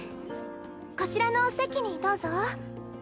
こちらのお席にどうぞ。